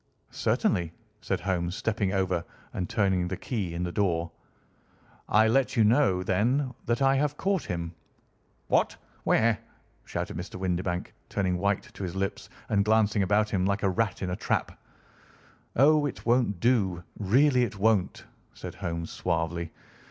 "Certainly," said Holmes, stepping over and turning the key in the door. "I let you know, then, that I have caught him!" "What! where?" shouted Mr. Windibank, turning white to his lips and glancing about him like a rat in a trap. "Oh, it won't do—really it won't," said Holmes suavely.